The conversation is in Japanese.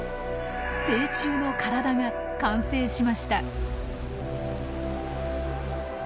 成虫の体が完成しました。